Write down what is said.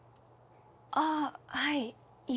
ああはい。